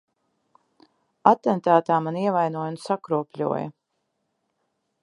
Atentātā mani ievainoja un sakropļoja.